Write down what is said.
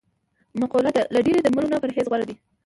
مقوله ده: له ډېری درملو نه پرهېز غور دی.